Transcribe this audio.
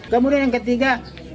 kemudian yang ketiga